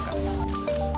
pertama kita harus siap